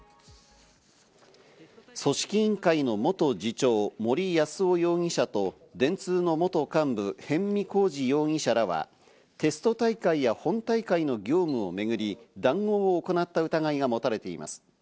組織委員会の元次長・森泰夫容疑者と電通の元幹部・逸見晃治容疑者らは、テスト大会や本大会の業務をめぐり、談合を行った疑いが持たれています。